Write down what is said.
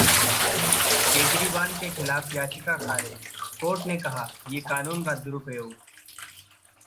केजरीवाल के खिलाफ याचिका खारिज, कोर्ट ने कहा- ये कानून का दुरुपयोग